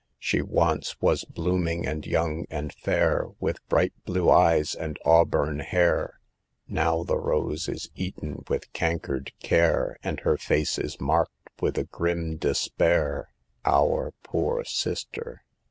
She once was blooming and young and fair, With bright blue eyes and auburn hair; Mow the rose is eaten with cankered care, And her face is marked with a grim despair— Our poor Sister SAVE THE GIRLS.